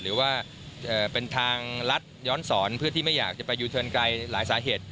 หรือว่าเป็นทางลัดย้อนสอนเพื่อที่ไม่อยากจะไปยูเทิร์นไกลหลายสาเหตุ